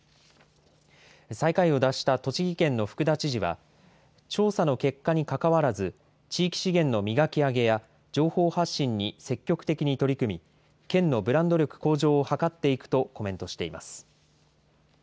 最下位を脱した栃木県の福田知事は、調査の結果に関わらず、地域資源の磨き上げや情報発信に積極的に取り組み、県のブランド力向上を図っていくとコメントしています。